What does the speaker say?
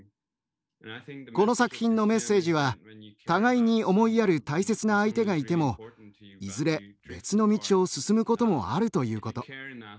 この作品のメッセージは互いに思いやる大切な相手がいてもいずれ別の道を進むこともあるということ。